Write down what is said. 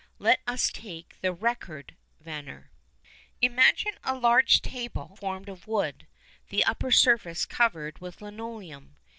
Let us take the "Record" vanner. Imagine a large table formed of wood, the upper surface covered with linoleum.